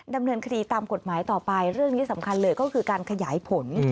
ดำเนินคดีตามกฎหมายต่อไปเรื่องนี้สำคัญเลยก็คือการขยายผล